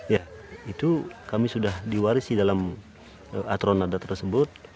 ya itu kami sudah diwarisi dalam aturan adat tersebut